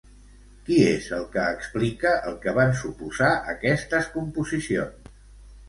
Qui és el que explica el que van suposar aquestes composicions?